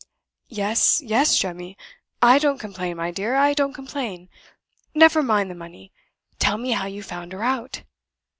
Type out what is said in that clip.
"Yes, yes, Jemmy. I don't complain, my dear, I don't complain. Never mind the money tell me how you found her out."